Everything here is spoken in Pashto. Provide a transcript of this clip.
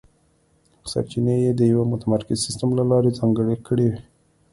سرچینې یې د یوه متمرکز سیستم له لارې ځانګړې کړې.